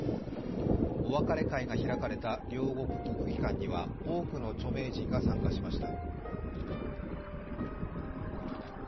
お別れ会が開かれた両国国技館には多くの著名人が参加しました。